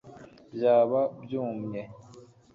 byaba byumye